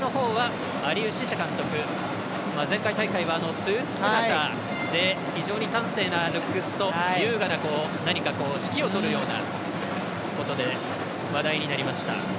アリウ・シセ監督は前回大会はスーツ姿で非常に端正なルックスと優雅な指揮を執るようなことで話題になりました。